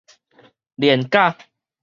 連假